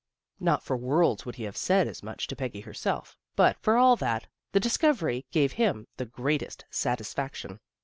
Not for worlds would he have said as much to Peggy herself, but, for all that, the discovery gave him the greatest satisfaction.